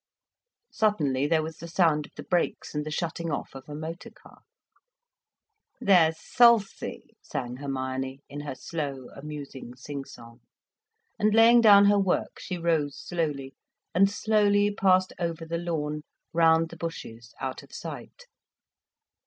Suddenly there was the sound of the brakes and the shutting off of a motor car. "There's Salsie!" sang Hermione, in her slow, amusing sing song. And laying down her work, she rose slowly, and slowly passed over the lawn, round the bushes, out of sight.